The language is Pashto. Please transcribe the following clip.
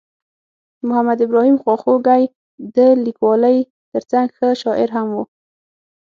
محمد ابراهیم خواخوږی د لیکوالۍ ترڅنګ ښه شاعر هم ؤ.